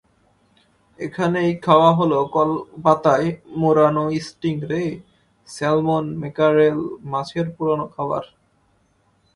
এখানেই খাওয়া হলো কলপাতায় মোড়ানো স্টিং রে, স্যালমন, ম্যাকারেল মাছের পোড়ানো খাবার।